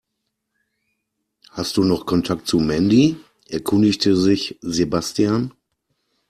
Hast du noch Kontakt zu Mandy?, erkundigte sich Sebastian.